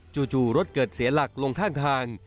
จู่รถเกิดเสียหลักลงข้างทาง